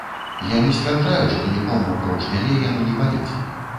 Я не сцвярджаю, што нікому, апроч мяне, яно не баліць.